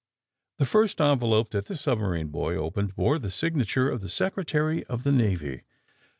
The first envelope that the submarine boy opened bore the signature of the Secretary of the Navy.